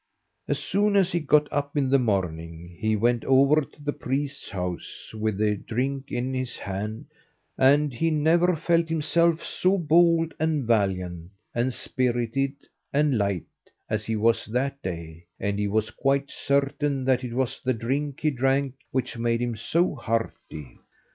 As soon as he got up in the morning, he went over to the priest's house with the drink in his hand, and he never felt himself so bold and valiant, and spirited and light, as he was that day, and he was quite certain that it was the drink he drank which made him so hearty.